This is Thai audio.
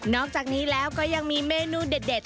อกจากนี้แล้วก็ยังมีเมนูเด็ด